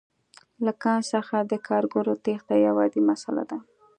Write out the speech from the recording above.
له کان څخه د کارګرو تېښته یوه عادي مسئله ده